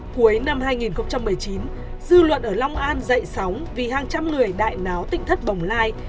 cuối năm hai nghìn một mươi chín dư luận ở long an dậy sóng vì hàng trăm người đại náo tỉnh thất bồng lai